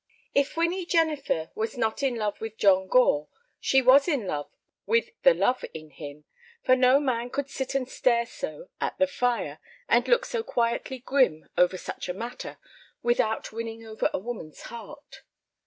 XXXIII If Winnie Jennifer was not in love with John Gore, she was in love with the love in him, for no man could sit and stare so at the fire, and look so quietly grim over such a matter, without winning over a woman's heart.